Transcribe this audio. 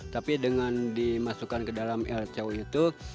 tapi dengan dimasukkan ke dalam lco itu